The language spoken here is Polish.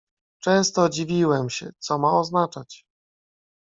"Często dziwiłem się, co ma oznaczać."